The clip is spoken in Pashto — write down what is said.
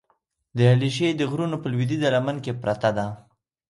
د علیشې د غرونو په لودیځه لمن کې پرته ده،